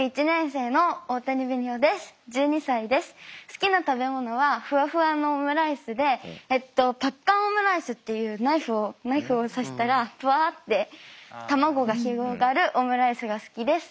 好きな食べ物はふわふわのオムライスでパッカンオムライスっていうナイフをナイフを刺したらふわって卵が広がるオムライスが好きです。